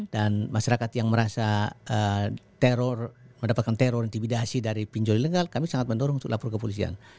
dan masyarakat yang merasa teror mendapatkan teror intimidasi dari pinjol ilegal kami sangat mendorong untuk lapor ke polisian